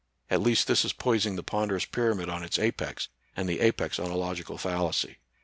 At least this is poising the ponderous pyramid on its apex, and the apex on a logical fallacy.